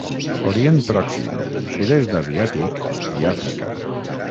Orient Pròxim, Sud-est Asiàtic i Àfrica.